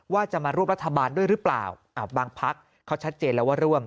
ว่าจะมาร่วมรัฐบาลด้วยหรือเปล่าบางพักเขาชัดเจนแล้วว่าร่วม